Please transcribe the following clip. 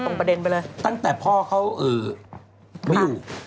ก็ส่งให้พ่อเข้าด้วย